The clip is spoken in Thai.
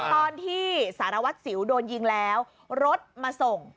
ตอนที่สารวัตรสิวโดนยิงแล้วรถมาส่ง